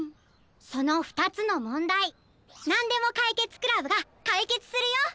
そのふたつのもんだいなんでもかいけつクラブがかいけつするよ！